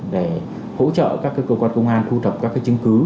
để hỗ trợ các cái cơ quan công an thu thập các cái chứng cứ